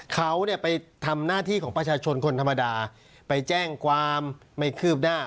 เขาเนี่ยไปทำหน้าที่ของประชาชนคนธรรมดาไปแจ้งความไม่คืบหน้า